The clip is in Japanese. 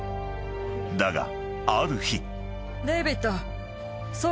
［だがある日］